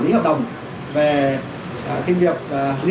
là công trình ngầm